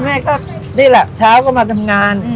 แม่ก็ช้าก็มาทำงาน